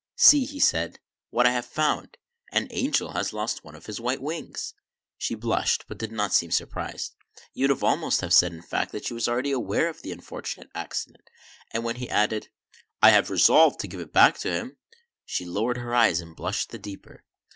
" See," he said, " what I have found. An angel has lost one of his white wings." She blushed, but did not seem surprised. You would almost have said, in fact, that she was already aware of the unfortunate accident ; and when he added, " I have resolved to give it back to him," she lowered her eyes and blushed the deeper.